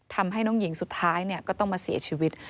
ทำให้น้องหญิงสุดท้ายก็ต้องมาเสียชีวิต